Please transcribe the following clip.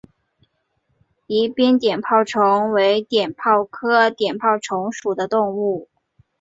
宜宾碘泡虫为碘泡科碘泡虫属的动物。